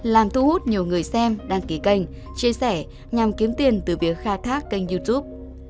làm thu hút nhiều người xem đăng ký kênh chia sẻ nhằm kiếm tiền từ việc khai thác kênh youtube